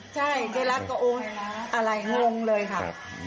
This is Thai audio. ใช่ได้แล้วก็โอ้อะไรงงเลยค่ะ